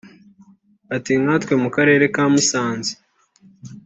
Ati“ Nka twe mu karere ka Musanze